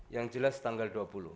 yang jelas tanggal dua puluh